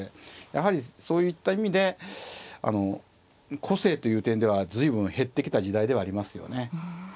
やはりそういった意味で個性という点では随分減ってきた時代ではありますよね。